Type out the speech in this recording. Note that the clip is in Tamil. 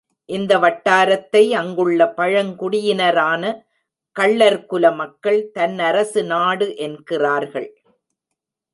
இந்த வட்டாரத்தை அங்குள்ள பழங் குடியினரான கள்ளர்குல மக்கள் தன்னரசு நாடு என்கிறார்கள்.